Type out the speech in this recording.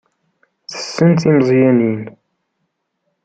Tessen timeẓyanin.